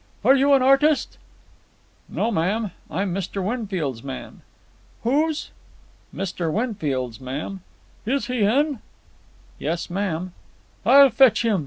"Are you an artist?" "No, ma'am. I'm Mr. Winfield's man." "Whose?" "Mr. Winfield's, ma'am." "Is he in?" "Yes, ma'am." "I'll fetch him.